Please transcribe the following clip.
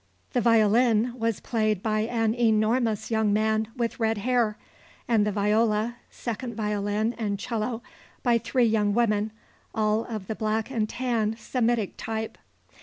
The violin was played by an enormous young man with red hair, and the viola, second violin and 'cello by three young women, all of the black and tan Semitic type.